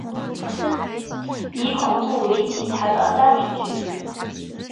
以恐怖为题材的单元剧。